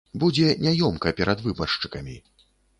Будзе няёмка перад выбаршчыкамі.